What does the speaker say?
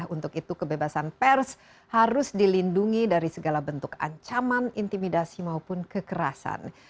untuk itu kebebasan pers harus dilindungi dari segala bentuk ancaman intimidasi maupun kekerasan